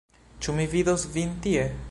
Ĉu mi vidos vin tie?